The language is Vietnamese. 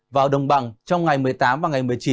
vào đồng bằng trong ngày một mươi tám và ngày một mươi chín